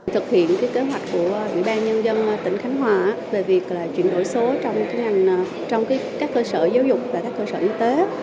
thực hiện kế hoạch của bộ y tế tỉnh khánh hòa về việc chuyển đổi số trong các cơ sở giáo dục và các cơ sở y tế